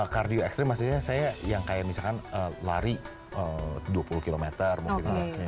kardio ekstrim maksudnya saya yang kayak misalkan lari dua puluh km mungkin